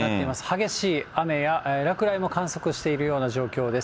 激しい雨や落雷も観測しているような状況です。